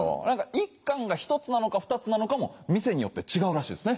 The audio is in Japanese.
１貫が１つなのか２つなのかも店によって違うらしいですね。